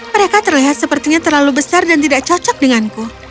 mereka terlihat sepertinya terlalu besar dan tidak cocok denganku